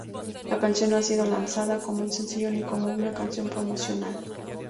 La canción no ha sido lanzada como un sencillo ni como una canción promocional.